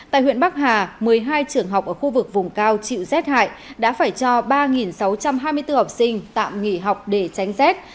tại huyện bắc hà một mươi hai trường học ở khu vực vùng cao chịu rét hại đã phải cho ba sáu trăm hai mươi bốn học sinh tạm nghỉ học để tránh rét